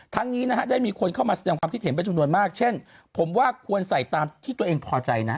นี้นะฮะได้มีคนเข้ามาแสดงความคิดเห็นเป็นจำนวนมากเช่นผมว่าควรใส่ตามที่ตัวเองพอใจนะ